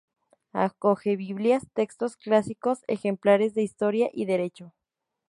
Acoge Biblias, textos clásicos, ejemplares de historia y derecho.